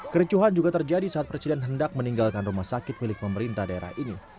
kericuhan juga terjadi saat presiden hendak meninggalkan rumah sakit milik pemerintah daerah ini